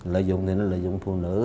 lợi dụng thì nó lợi dụng phụ nữ